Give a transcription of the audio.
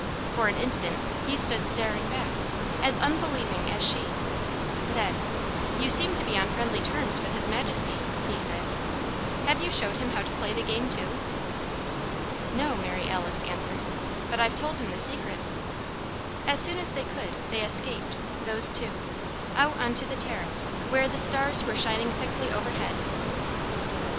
For an instant, he stood staring back, as unbelieving as she. Then, "You seem to be on friendly terms with His Majesty," he said. "Have you showed him how to play the game, too?" "No," Mary Alice answered, "but I've told him the Secret." As soon as they could, they escaped those two out on to the terrace where the stars were shining thickly overhead.